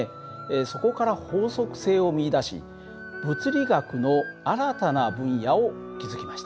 そこから法則性を見いだし物理学の新たな分野を築きました。